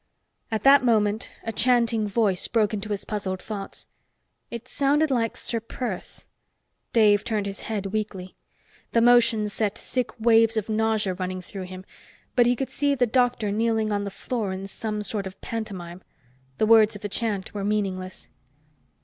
At that moment, a chanting voice broke into his puzzled thoughts. It sounded like Ser Perth. Dave turned his head weakly. The motion set sick waves of nausea running through him, but he could see the doctor kneeling on the floor in some sort of pantomime. The words of the chant were meaningless.